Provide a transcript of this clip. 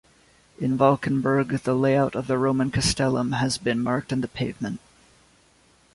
In Valkenburg, the layout of the Roman castellum has been marked in the pavement.